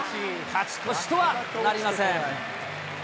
勝ち越しとはなりません。